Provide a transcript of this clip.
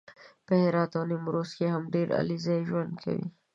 په هرات او نیمروز کې هم ډېر علیزي ژوند کوي